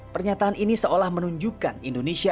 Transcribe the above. pernyataan ini seolah menunjukkan indonesia